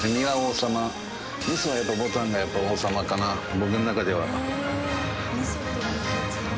僕の中では。